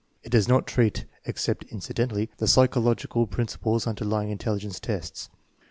It does not treat, except incidentally, the psychological prin ciples underlying intelligence tests.